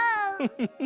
フフフ。